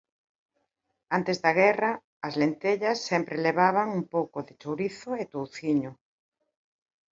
Antes da guerra as lentellas sempre levaban un pouco de chourizo e touciño.